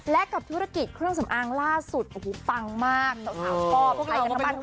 และกับธุรกิจเครื่องสำอางล่าสุดโอ้โหปั๊งมากเจ้าสาวพ่อใครกันทั้งบ้านทุกคน